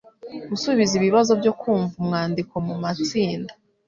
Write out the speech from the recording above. Gusubiza ibibazo byo kumva umwandiko mu matsinda.